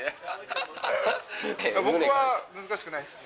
僕は難しくないですね。